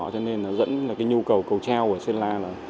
cho nên nó dẫn nhu cầu cầu treo của sơn la